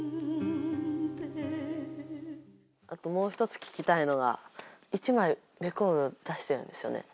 あともう１つ聞きたいのが１枚レコード出してるんですよね？